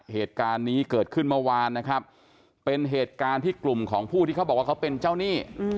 เหตุการณ์นี้เกิดขึ้นเมื่อวานนะครับเป็นเหตุการณ์ที่กลุ่มของผู้ที่เขาบอกว่าเขาเป็นเจ้าหนี้